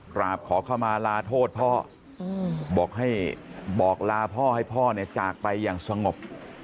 กราบขอเข้ามาลาโทษพ่อบอกให้บอกลาพ่อให้พ่อเนี่ยจากไปอย่างสงบ